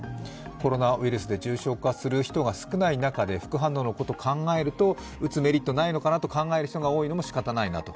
コロナウイルスで重症化する人が少ない中で副反応のことを考えると打つメリットがないなと考える人がいるのもしかたないなと。